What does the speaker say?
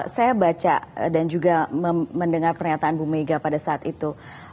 saya baca dan juga mendengar pernyataan bu mega pada saat itu